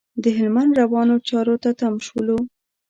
د هلمند روانو چارو ته تم شولو.